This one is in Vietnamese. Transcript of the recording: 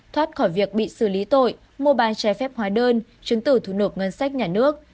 thoát khỏi việc bị xử lý tội mua bán trái phép hóa đơn chứng tử thu nộp ngân sách nhà nước